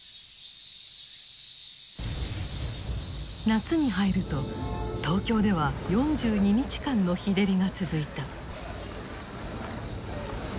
夏に入ると東京では４２日間の日照りが続いた。